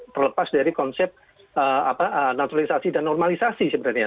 terlepas dari konsep naturalisasi dan normalisasi sebenarnya